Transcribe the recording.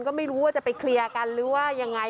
ก็ไม่รู้ว่าจะไปเคลียร์กันหรือว่ายังไง